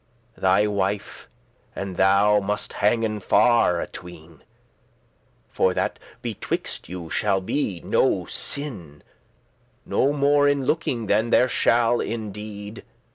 *command Thy wife and thou must hangen far atween*, *asunder For that betwixte you shall be no sin, No more in looking than there shall in deed.